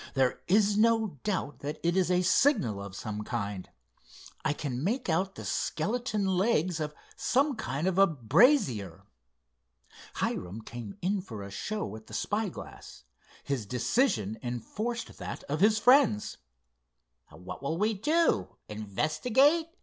"There is no doubt that it is a signal of some kind. I can make out the skeleton legs of some kind of a brazier." Hiram came in for a show at the spyglass. His decision enforced that of his friends. "What will we do—investigate?"